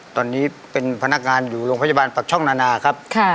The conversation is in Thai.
ตอนนี้เป็นพนักงานอยู่โรงพยาบาลปักช่องนานาครับ